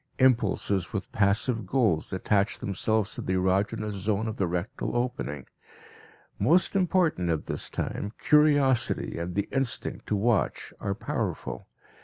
Impulses with passive goals attach themselves to the erogenous zone of the rectal opening. Most important at this time, curiosity and the instinct to watch are powerful.